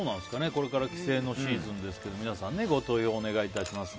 これから帰省のシーズンですけど皆さん、ご投票をお願いします。